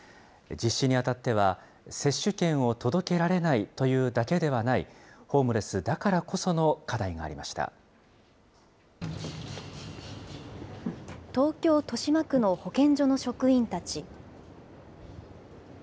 実施にあたっては、接種券を届けられないというだけではない、ホームレスだからこそ東京・豊島区の保健所の職員たち。